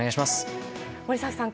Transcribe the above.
森崎さん